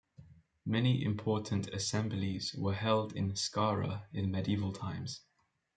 Many important assemblies were held in Skara in medieval times.